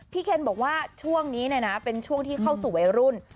เคนบอกว่าช่วงนี้เป็นช่วงที่เข้าสู่วัยรุ่น